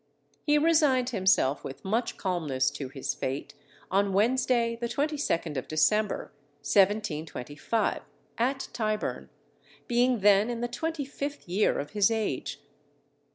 He resigned himself with much calmness to his fate, on Wednesday, the 22nd of December, 1725, at Tyburn, being then in the twenty fifth year of his age.